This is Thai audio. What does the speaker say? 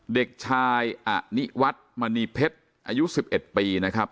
เด็กชายอนิวัฒน์มณีเพชรอายุ๑๑ปีนะครับ